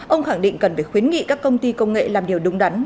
ông khẳng định cần phải khuyến nghị các công ty công nghệ làm điều đúng đắn